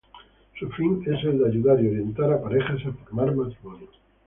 Su fin es el de ayudar y orientar a parejas a formar matrimonio.